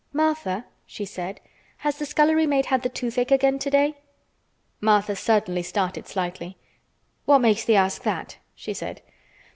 "Martha," she said, "has the scullery maid had the toothache again today?" Martha certainly started slightly. "What makes thee ask that?" she said.